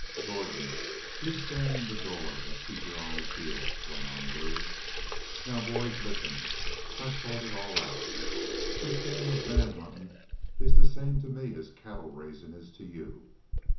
"Gordon, y'u stand in the door an' keep your eye peeled," went on Blue. "... Now, boys, listen! I've thought it all out. This game of man huntin' is the same to me as cattle raisin' is to y'u.